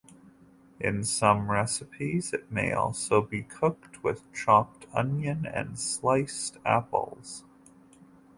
In some recipes, it may also be cooked with chopped onion and sliced apples.